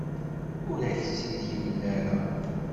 Ur ak-tt-id-yemla ara.